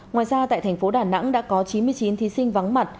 ngoài ra tại thành phố đà nẵng đã có chín mươi chín thí sinh vắng mặt